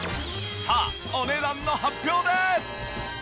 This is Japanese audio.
さあお値段の発表です。